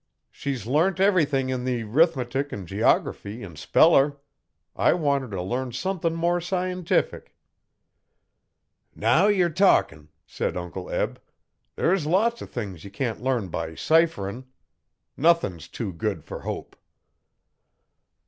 'She's learnt everything in the 'rithinetic an' geography an' speller. I want her t' learn somethin' more scientific.' 'Now you're talkin',' said Uncle Eb. 'There's lots o' things ye can't learn by cipherin'. Nuthin's too good fer Hope.'